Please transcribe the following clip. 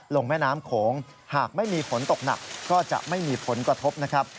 แม่น้ำโขงหากไม่มีฝนตกหนักก็จะไม่มีผลกระทบนะครับ